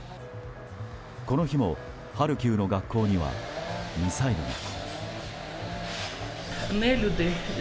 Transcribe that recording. この日も、ハルキウの学校にはミサイルが。